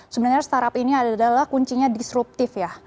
sebenarnya startup ini adalah kuncinya disruptif ya